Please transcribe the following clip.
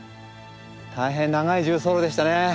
大変長い縦走路でしたね。